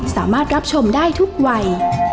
สามารถรับชมได้ทุกวัย